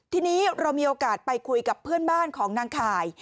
ทีนี้เรามีโอกาสไปคุยกับเพื่อนบ้านของนางข่าย